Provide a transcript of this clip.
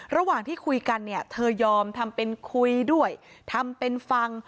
ระหว่างที่คุยกันเนี่ยเธอยอมทำเป็นคุยด้วยทำเป็นฟัง